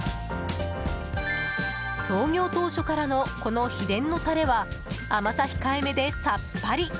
創業当初からのこの秘伝のタレは甘さ控えめでさっぱり。